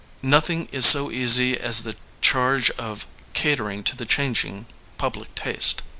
Nothing is so easy as the charge of catering to the changing public taste.